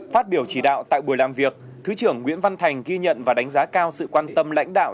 phát biểu chỉ đạo tại buổi làm việc thứ trưởng nguyễn văn thành ghi nhận và đánh giá cao sự quan tâm lãnh đạo